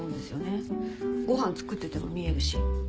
ご飯作ってても見えるし。